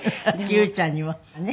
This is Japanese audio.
九ちゃんにもねっ。